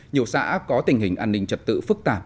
nhiều xã có tình hình an ninh trật tự phức tạp